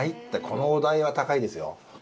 このお代は高いですよ。